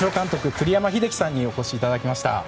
栗山英樹さんにお越しいただきました。